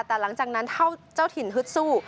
แต่หลังจากนั้นเท่าเจ้าถิ่นฮึดสู้